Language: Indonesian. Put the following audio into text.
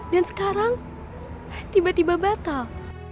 dan sekarang tiba tiba batal